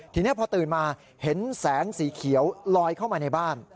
ทีนี้พอตื่นมาเห็นแสงสีเขียวลอยเข้ามาในบ้าน